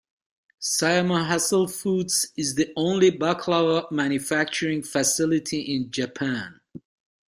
Sayama Haselfoods is the only baklava manufacturing facility in Japan.